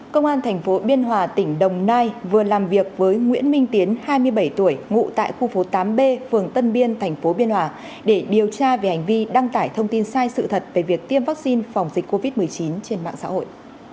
công an thành phố biên hòa tỉnh đồng nai vừa làm việc với nguyễn minh tiến hai mươi bảy tuổi ngụ tại khu phố tám b phường tân biên tp biên hòa để điều tra về hành vi đăng tải thông tin sai sự thật về việc tiêm vaccine phòng dịch covid một mươi chín trên mạng xã hội